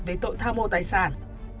về tội tham mô tài sản